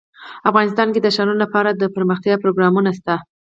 افغانستان کې د ښارونه لپاره دپرمختیا پروګرامونه شته.